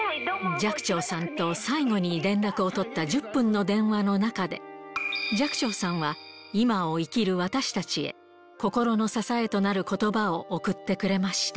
寂聴さんと最後に連絡を取った１０分の電話の中で、寂聴さんは今を生きる私たちへ、心の支えとなることばを贈ってくれました。